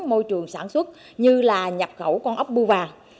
môi trường sản xuất như là nhập khẩu con ốc bưu vàng